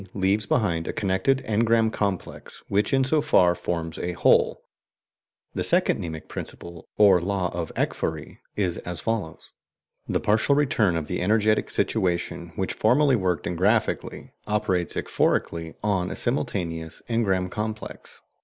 leaves behind a connected engram complex, which in so far forms a whole" ("Die mnemischen Empfindungen," p. 146). The second mnemic principle, or "Law of Ekphory," is as follows: "The partial return of the energetic situation which formerly worked engraphically operates ekphorically on a simultaneous engram complex" (ib.